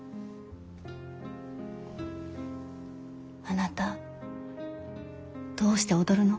あなたどうして踊るの？